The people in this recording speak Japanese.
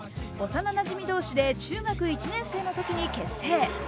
幼なじみ同士で中学１年生のときに結成。